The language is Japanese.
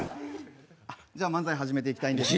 じゃあ、漫才始めていきます。